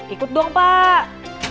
ikut dong pak